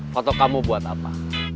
foto kamu buat apa